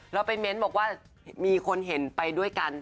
เราไปเม้นบอกว่ามีคนเห็นไปด้วยกัน